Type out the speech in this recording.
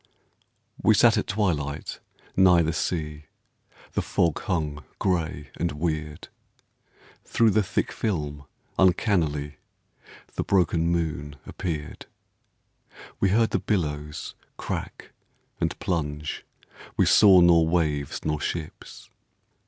We sat at twilight nigh the sea, The fog hung gray and weird. Through the thick film uncannily The broken moon appeared. We heard the billows crack and plunge, We saw nor waves nor ships.